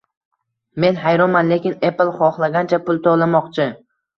Men hayronman, lekin Apple xohlagancha pul to'lamoqchi